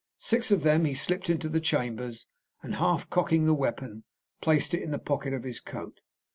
Six of them he slipped into the chambers, and half cocking the weapon, placed it in the pocket of his coat.